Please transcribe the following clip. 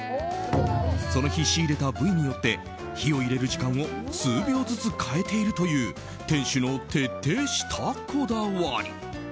その日仕入れた部位によって火を入れる時間を数秒ずつ変えているという店主の徹底したこだわり。